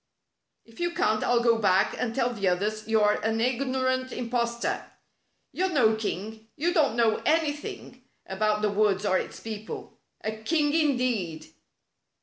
" If you can't I'll go back and tell all the others you're an ignorant impos tor. You're no king! You don't know anything about the woods or its people. A king indeed!"